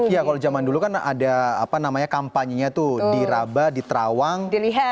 ya kalau zaman dulu kan ada apa namanya kampanye nya tuh diraba diterawang dilihat